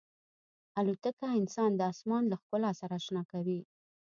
الوتکه انسان د آسمان له ښکلا سره اشنا کوي.